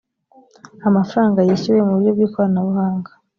amafaranga yishyuwe mu buryo bwikoranabuhanga .